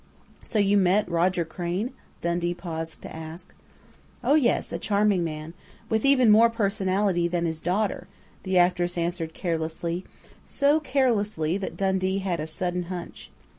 "So you met Roger Crain?" Dundee paused to ask. "Oh, yes.... A charming man, with even more personality than his daughter," the actress answered carelessly, so carelessly that Dundee had a sudden hunch.